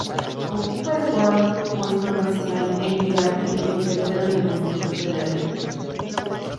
Ocupa el cuarto puesto nacional en Tiraje y el tercero en el Distrito Federal.